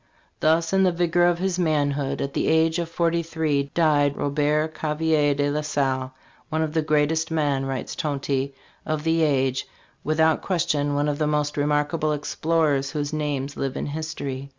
"Thus in the vigor of his manhood, at the age of forty three, died Robert Gavelier de la Salle, ' one of the greatest men,' writes Tonty, 'of the age'; without question one of the most remarkable explorers whose names live in history."